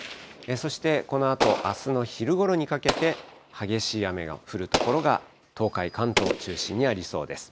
そしてこのあとあすの昼ごろにかけて、激しい雨が降る所が、東海、関東を中心にありそうです。